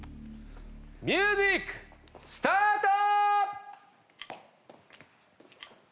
ミュージックスタート！